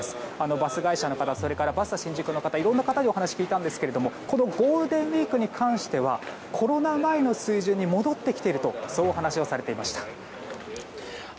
バス会社の方それからバスタ新宿の方いろいろな方にお話を聞いたんですけれどもこのゴールデンウィークに関してはコロナ前の水準に戻ってきているとそうお話をされていました。